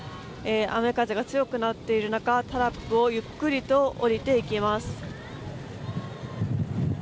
雨、風が強くなっている中タラップをゆっくりと下りていきます。